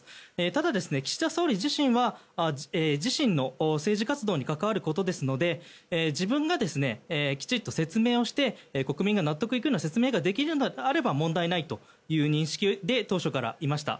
ただ、岸田総理自身は自身の政治活動に関わることですので自分がきちっと説明をして国民が納得いくような説明ができれば問題ないという認識で当初からいました。